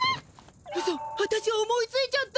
うそわたし思いついちゃった！